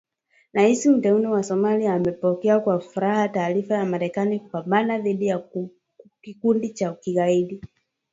Rais Mteule wa Somalia amepokea kwa furaha taarifa ya Marekani kupambana dhidi ya Kikundi cha Kigaidi